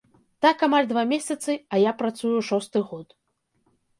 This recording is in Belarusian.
Так амаль два месяцы, а я працую шосты год.